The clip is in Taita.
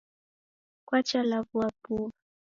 Kwacha law'ua mbuw'a.